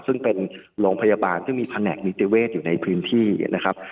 ซึ่งเป็นโรงพยาบาลซึ่งมีแผนกนิติเวศอยู่ในพื้นที่นะครับ